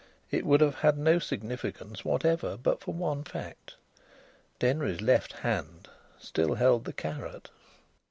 It would have had no significance whatever, but for one fact. Denry's left hand still held the carrot.